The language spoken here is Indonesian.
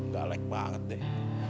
galeh banget deh